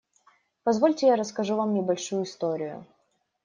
Позвольте, я расскажу вам небольшую историю.